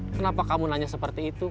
kenapa kamu nanya seperti itu